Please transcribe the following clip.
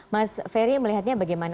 mas ferry melihatnya bagaimana